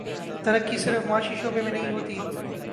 ترقی صرف معاشی شعبے میں نہیں ہوتی۔